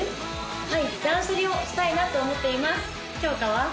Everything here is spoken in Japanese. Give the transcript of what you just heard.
はい断捨離をしたいなと思っていますきょうかは？